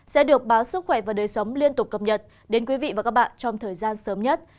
sẽ được báo sức khỏe và đời sống liên tục cập nhật đến quý vị và các bạn trong thời gian sớm nhất